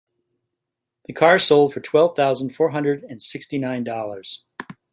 The car sold for twelve thousand four hundred and sixty nine dollars.